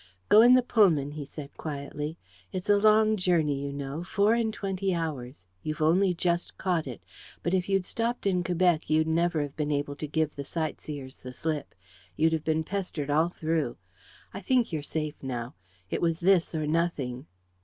"Go in the Pullman," he said quietly. "It's a long journey, you know: four and twenty hours. You've only just caught it. But if you'd stopped in Quebec, you'd never have been able to give the sightseers the slip. You'd have been pestered all through. I think you're safe now. It was this or nothing."